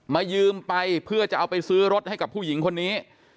ยืมไปเพื่อจะเอาไปซื้อรถให้กับผู้หญิงคนนี้